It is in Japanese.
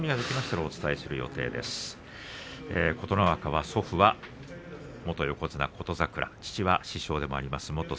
琴ノ若、祖父は元横綱琴櫻父は師匠でもあります